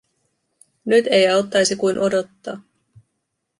Nyt ei auttaisi kuin odottaa.